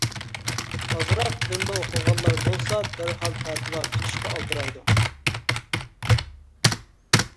ئازراق دىندا ئوقۇغانلار بولسا، دەرھال پەتىۋا پىچىشقا ئالدىرايدۇ.